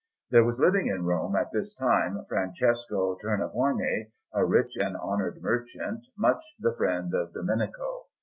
There was living in Rome at this same time Francesco Tornabuoni, a rich and honoured merchant, much the friend of Domenico.